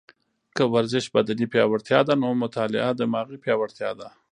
که ورزش بدني پیاوړتیا ده، نو مطاله دماغي پیاوړتیا ده